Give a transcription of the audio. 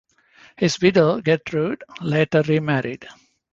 His widow, Gertrude, later remarried.